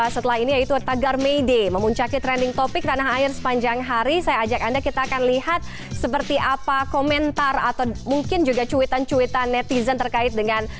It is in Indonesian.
setelah ini yaitu tagar may day memuncaki trending topic tanah air sepanjang hari saya ajak anda kita akan lihat seperti apa komentar atau mungkin juga cuitan cuitan netizen terkait dengan